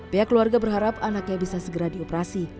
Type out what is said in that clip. pihak keluarga berharap anaknya bisa segera dioperasi